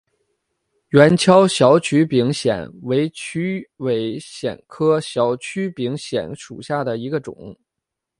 圆锹小曲柄藓为曲尾藓科小曲柄藓属下的一个种。